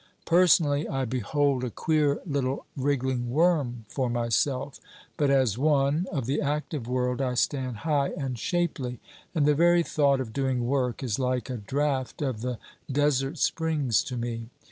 Personally I behold a queer little wriggling worm for myself; but as one, of the active world I stand high and shapely; and the very thought of doing work, is like a draught of the desert springs to me.